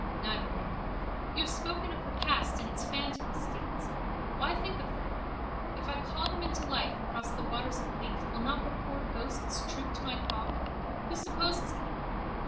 Neither knew. You have spoken of the past and its phantoms, Stephen said. Why think of them? If I call them into life across the waters of Lethe will not the poor ghosts troop to my call? Who supposes it?